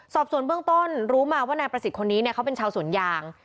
สอบส่วนเบื้องต้นรู้มาว่านายประสิทธิ์คนนี้เขาเป็นชาวสวนยาง